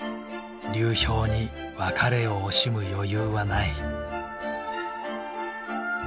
流氷に別れを惜しむ余裕はない。